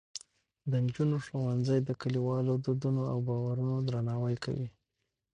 د نجونو ښوونځي د کلیوالو دودونو او باورونو درناوی کوي.